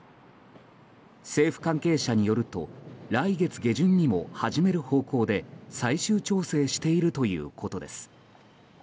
政府関係者によると来月下旬にも始める方向で最終調整しているということです。